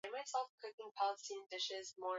tunatamani sisi wote kabisa tuweze kuona namna gani